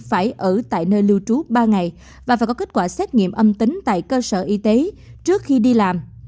phải ở tại nơi lưu trú ba ngày và phải có kết quả xét nghiệm âm tính tại cơ sở y tế trước khi đi làm